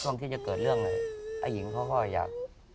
ตอนที่จะเกิดเรื่องเลยไอ้หญิงพ่ออยาก